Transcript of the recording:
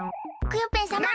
クヨッペンさま。